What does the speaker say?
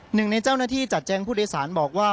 หนึ่งในเจ้าหน้าที่จัดแจ้งผู้โดยสารบอกว่า